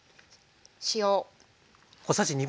塩。